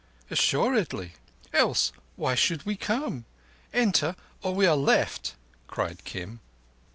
"Assuredly. Else why should we come? Enter, or we are left," cried Kim.